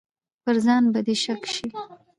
پر ځان به دې شک شي.